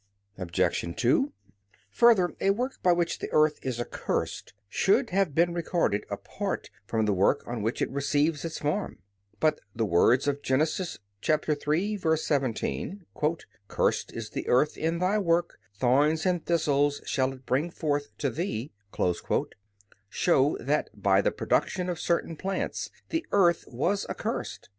Obj. 2: Further, a work by which the earth is accursed should have been recorded apart from the work by which it receives its form. But the words of Gen. 3:17, "Cursed is the earth in thy work, thorns and thistles shall it bring forth to thee," show that by the production of certain plants the earth was accursed.